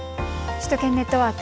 首都圏ネットワーク。